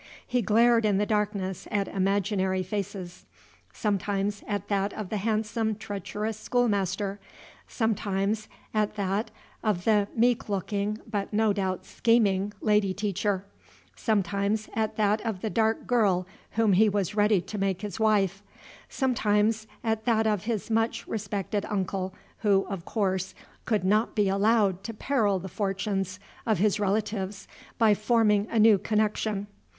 He glared in the darkness at imaginary faces: sometimes at that of the handsome, treacherous schoolmaster; sometimes at that of the meek looking, but no doubt, scheming, lady teacher; sometimes at that of the dark girl whom he was ready to make his wife; sometimes at that of his much respected uncle, who, of course, could not be allowed to peril the fortunes of his relatives by forming a new connection.